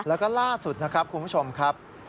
แล้วก็ล่าสุดนะครับคุณผู้ชมครับ